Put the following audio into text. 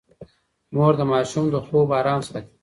مور د ماشوم د خوب ارام ساتي.